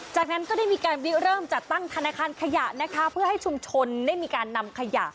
จากนั้นก็ได้มีการเริ่มจัดตั้งธนาคารขยะนะคะเพื่อให้ชุมชนได้มีการนำขยะ